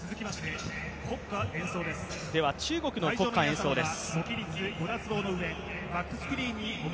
中国の国歌演奏です。